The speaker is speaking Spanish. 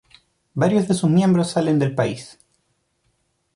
Varios de sus miembros salen del pais.